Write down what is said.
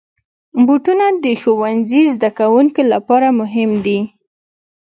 بوټونه د ښوونځي زدهکوونکو لپاره مهم دي.